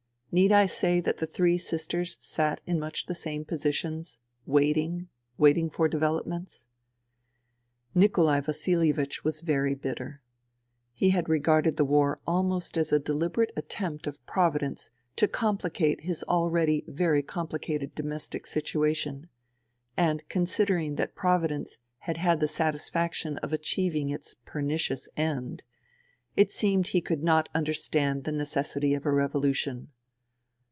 Need I say that the three sisters sat in much the same positions, waiting — waiting for developments ? Nikolai Vasilievich was very bitter. He had re garded the war almost as a deliberate attempt of providence to comphcate his already very complicated domestic situation, and considering that providence had had the satisfaction of achieving its pernicious end, it seemed he could not understand the necessity of a revolution.